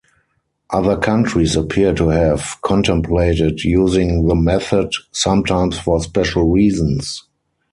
Other countries appear to have contemplated using the method, sometimes for special reasons.